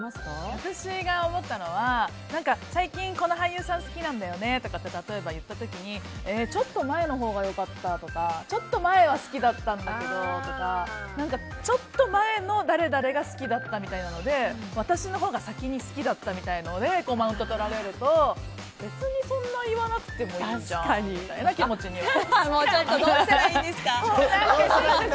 私が思ったのは最近、この俳優さん好きなんだよねとか例えば言った時にちょっと前のほうが良かったとかちょっと前は好きだったんだけどとかちょっと前の誰々が好きだったみたいなので私のほうが先に好きだったみたいのでマウントとられると別に、そんな言わなくてもいいじゃんみたいな気持ちになる。